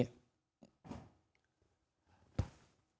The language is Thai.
มันสะเทือนใจตรงนี้